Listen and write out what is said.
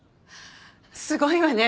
すごいわね。